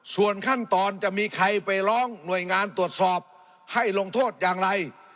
ส่วนขั้นตอนจะมีใครไปร้องหน่วยงานตรวจสอบให้ลงโทษอย่างไร